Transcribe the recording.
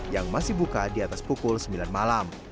yang masih buka di atas pukul sembilan malam